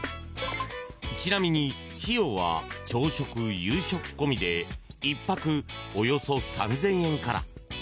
ちなみに、費用は朝食・夕食込みで１泊およそ３０００円から。